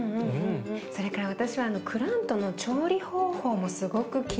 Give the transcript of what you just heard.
それから私はクラントの調理方法もすごく気になったの。